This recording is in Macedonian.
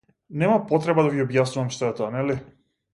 Нема потреба да ви објаснувам што е тоа, нели?